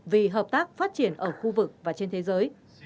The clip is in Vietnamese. vì hợp tác phát triển ở khu vực và trên thế giới